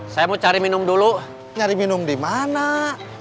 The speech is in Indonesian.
saya mau cari minum dulu nyari minum dimana enggak tahu